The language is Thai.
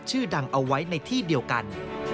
ชื่อดังเอาไว้ในที่เดียวกัน